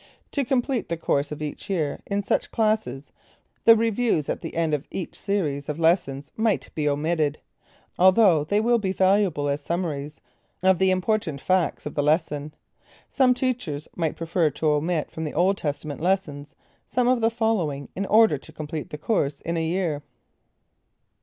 To complete the course of each year in such classes the Reviews at the end of each series of lessons might be omitted, although they will be valuable as summaries of the important facts of the lesson. Some teachers might prefer to omit from the Old Testament lessons, some of the following in order to complete the course in a year.